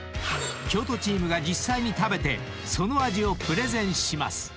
［京都チームが実際に食べてその味をプレゼンします］